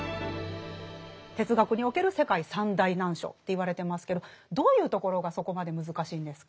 哲学における世界三大難書と言われてますけどどういうところがそこまで難しいんですか？